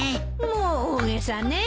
もう大げさね。